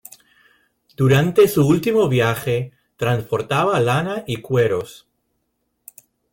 Durante su último viaje transportaba lana y cueros.